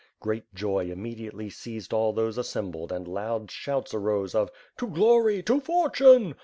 Qreat joy immediately seized all those assembled and loud shouts arose of "To glory! To fortune!'